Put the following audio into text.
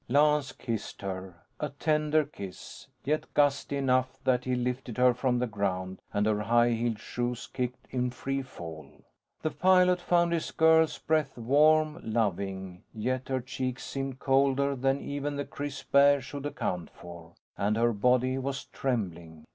Lance kissed her. A tender kiss, yet gusty enough that he lifted her from the ground and her high heeled shoes kicked in free fall. The pilot found his girl's breath warm, loving. Yet her cheeks seemed colder than even the crisp air should account for. And her body was trembling.